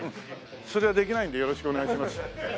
それはできないんでよろしくお願いします。